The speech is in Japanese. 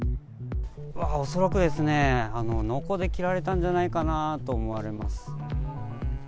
恐らくですね、のこで切られたんじゃないかなと思われます。